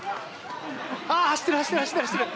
走ってる、走ってる、走ってる！